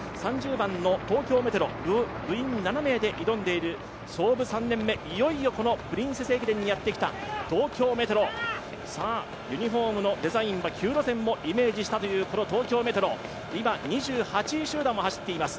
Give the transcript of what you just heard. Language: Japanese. ３０番の東京メトロ、部員７名で挑んでいる創部３年目、いよいよプリンセス駅伝にやってきた東京メトロ、ユニフォームのデザインは旧路線をイメージしたというこの東京メトロ、今、２８位集団を走っています。